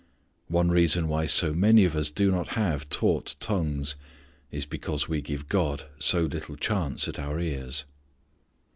One reason why so many of us do not have taught tongues is because we give God so little chance at our ears.